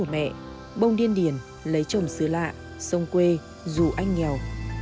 mẹ bông điên điển lấy chồng xứ lạ sông quê dù anh nghèo